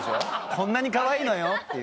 こんなにかわいいのよ！っていう。